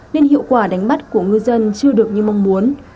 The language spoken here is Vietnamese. nên hiệu quả đánh bắt của ngư dân chưa được như mong muốn